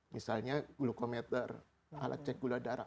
misalnya glukometer alat cek gula darah